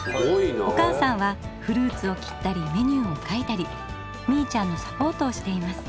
お母さんはフルーツを切ったりメニューを書いたりみいちゃんのサポートをしています。